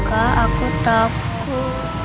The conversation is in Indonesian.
kak aku takut